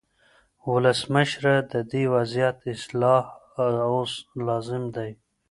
ولسمشره، د دې وضعیت اصلاح اوس لازم دی.